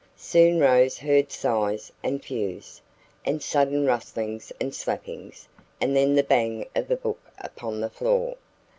Soon Rose heard sighs and phews, and sudden rustlings and slappings, and then the bang of a book upon the floor.